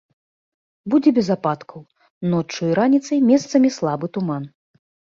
Будзе без ападкаў, ноччу і раніцай месцамі слабы туман.